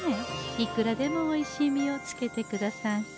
いくらでもおいしい実をつけてくださんす。